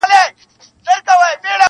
• پلار یې ویل څارنوال ته وخت تېرېږي..